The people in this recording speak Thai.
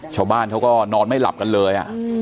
ชาวบ้านเขาก็นอนไม่หลับกันเลย